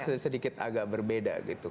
sedikit agak berbeda gitu